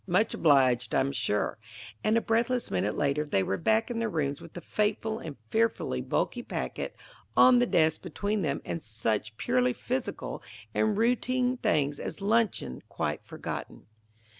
Much obliged, I'm sure." And a breathless minute later they were back in their rooms with the fateful and fearfully bulky packet on the desk between them and such purely physical and routine things as luncheon quite forgotten.